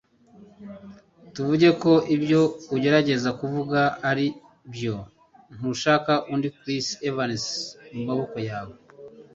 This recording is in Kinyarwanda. tuvuge ko ibyo ugerageza kuvuga aribyo, ntushaka undi Chris Evans mumaboko yawe.